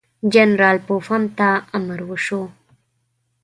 جنرال پوفم ته امر وشو.